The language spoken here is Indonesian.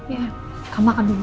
ya kamu makan dulu